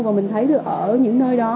và mình thấy được ở những nơi đó